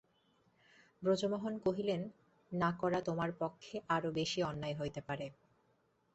ব্রজমোহন কহিলেন, না-করা তোমার পক্ষে আরো বেশি অন্যায় হইতে পারে।